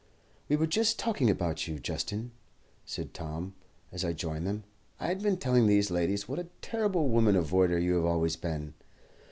"We were just talking about you, Justin," said Tom, as I joined them. "I had been telling these ladies what a terrible woman avoider you have always been.